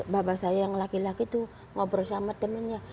bapak saya yang laki laki itu ngobrol sama temennya